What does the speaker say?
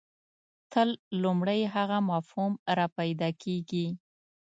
تل لومړی هغه مفهوم راپیدا کېږي.